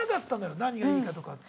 何がいいかとかって。